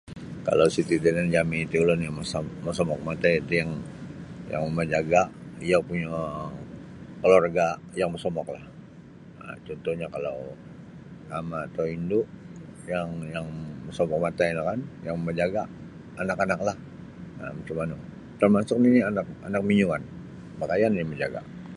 Kalau siti da yanan jami ti ulun yang mo-mosomok matai ti yang yang mamajaga iyo punyo kaluarga yang mosomok lah contohnya kalau ama atau indu yang yang mosomok matai no kan yang mamajaga anak-anak lah macam manu termasuk nini anak anak mangiwan makaya nini majaga.